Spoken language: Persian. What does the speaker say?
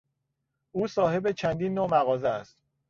او صاحب چندین نوع مغازه است.